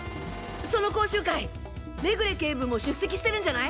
その講習会目暮警部も出席してるんじゃない？